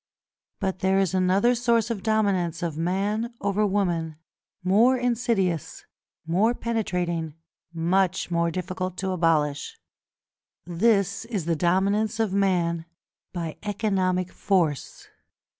But there is another source of dominance of man over woman, more insidious, more penetrating, much more difficult to abolish: this is the dominance of man by economic force.